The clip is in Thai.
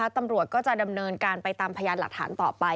ตำรวจก็จะดำเนินการไปตามพยานหลักฐานต่อไป